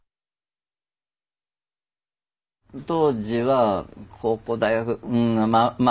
当時は高校大学うんまあ